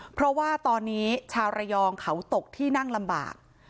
เพราะว่าตอนนี้ชาวระยองเขาตกที่นั่งลำบาก